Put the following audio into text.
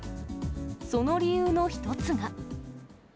その理由の一つが。